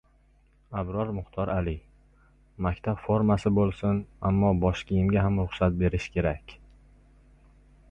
Abror Muxtor Aliy: "Maktab formasi bo‘lsin, ammo bosh kiyimga ham ruxsat berish kerak"